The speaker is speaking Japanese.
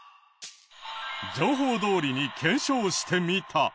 情報どおりに検証してみた。